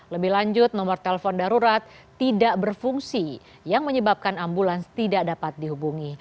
lebih lanjut nomor telepon darurat tidak berfungsi yang menyebabkan ambulans tidak dapat dihubungi